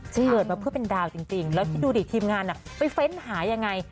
เกิดมาเพื่อเป็นดาวจริงแล้วคิดดูดิทีมงานไปเฟ้นหายังไง